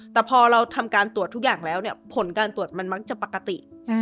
แต่พอเราทำการตรวจทุกอย่างแล้วเนี่ยผลการตรวจมันมักจะปกติ